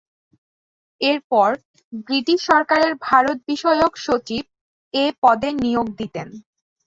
এরপর ব্রিটিশ সরকারের ভারত বিষয়ক সচিব এ পদের নিয়োগ দিতেন।